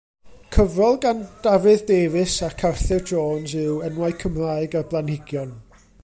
Cyfrol gan Dafydd Davies ac Arthur Jones yw Enwau Cymraeg ar Blanhigion.